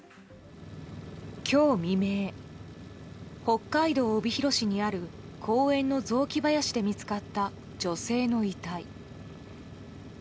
今日未明、北海道帯広市にある公園の雑木林で見つかった女性の遺体。